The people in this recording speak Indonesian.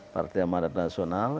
partai amarat nasional